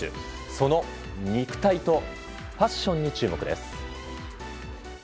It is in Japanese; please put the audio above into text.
その肉体とファッションに注目です。